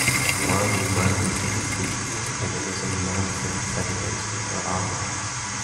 One woman is taking a picture and another woman is standing sideways with her arm out